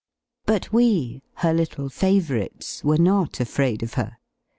But we, her little favorites, were not afraid of her.